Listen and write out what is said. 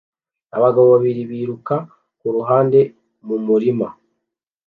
Abagabo babiri biruka kuruhande mumurima